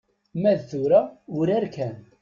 Ma d tura urar kan.